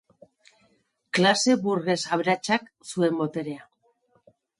Klase burges aberatsak zuen boterea.